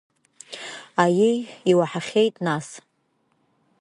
Аиеи, иуаҳахьеит, нас?